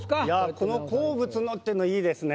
「子の好物の」ってのいいですね。